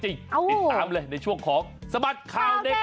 ติดตามเลยในช่วงของสบัดข่าวเด็ก